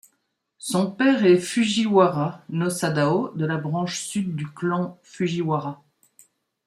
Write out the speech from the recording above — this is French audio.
Son père est Fujiwara no Sadao de la branche sud du clan Fujiwara.